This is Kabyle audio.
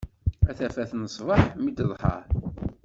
A tafat n ṣbeḥ mi d-teḍher.